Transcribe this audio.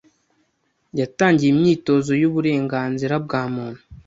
yatangiye imyitozo y’uburenganzira bwa muntu